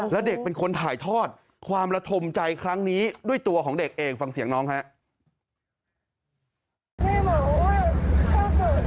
และเด็กเป็นคนถ่ายทอดความระทมใจครั้งนี้ด้วยตัวของเด็กเองฟังเสียงน้องครับ